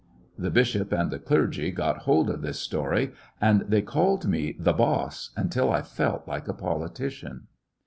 The bishop and the clergy got hold of this story, and they called me "the boss " until I felt like a politician.